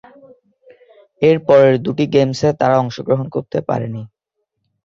এর পরের দুটি গেমসে তারা অংশগ্রহণ করতে পারেনি।